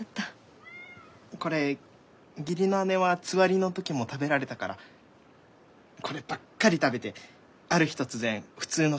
これ義理の姉はつわりの時も食べられたからこればっかり食べてある日突然普通の食事に戻ってた。